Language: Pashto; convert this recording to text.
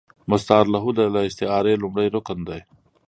مستعارله د استعارې لومړی رکن دﺉ.